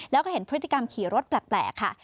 แล้วก็เห็นพฤติกรรมขี่รถแปลกค่ะ